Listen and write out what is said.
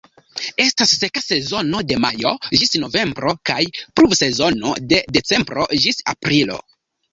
Estas seka sezono de majo ĝis novembro kaj pluvsezono de decembro ĝis aprilo.